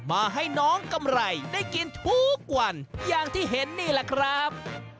มาให้น้องกำไรได้กินทุกวันอย่างที่เห็นนี่แหละครับ